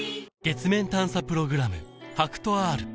月面探査プログラム